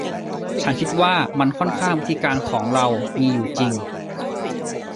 ฉันคิดว่ามันค่อนข้างวิธีการของเรามีอยู่จริง